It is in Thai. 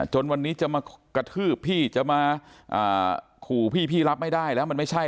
จนวันนี้จะมากระทืบพี่จะมาขู่พี่พี่รับไม่ได้แล้วมันไม่ใช่